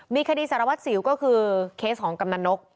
มีคดีสารวัตรสิวก็คือเคสของกำนันนก